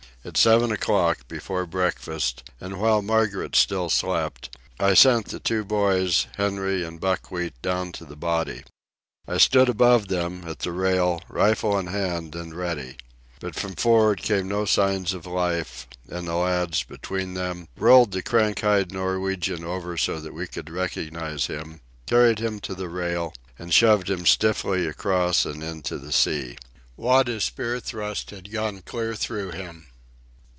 At seven o'clock, before breakfast, and while Margaret still slept, I sent the two boys, Henry and Buckwheat, down to the body. I stood above them, at the rail, rifle in hand and ready. But from for'ard came no signs of life; and the lads, between them, rolled the crank eyed Norwegian over so that we could recognize him, carried him to the rail, and shoved him stiffly across and into the sea. Wada's spear thrust had gone clear through him.